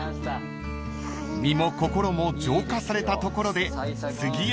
［身も心も浄化されたところで次へ向かいます］